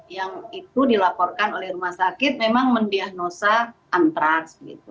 yang itu dilaporkan oleh rumah sakit memang mendiagnosa antraks